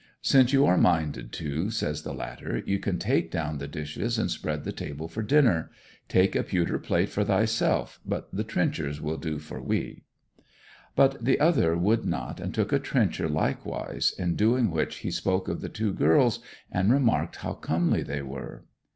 'Since you be minded to,' says the latter, 'you can take down the dishes and spread the table for dinner. Take a pewter plate for thyself, but the trenchers will do for we.' But the other would not, and took a trencher likewise, in doing which he spoke of the two girls and remarked how comely they were.